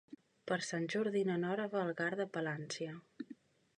Per Sant Jordi na Nora va a Algar de Palància.